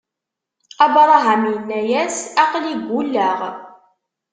Abṛaham inna-yas: Aql-i ggulleɣ.